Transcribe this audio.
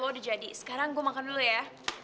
pr lo udah jadi sekarang gue makan dulu ya